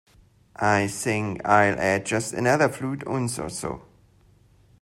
I think I'll add just another fluid ounce or so.